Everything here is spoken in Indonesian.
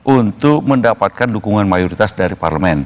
untuk mendapatkan dukungan mayoritas dari parlemen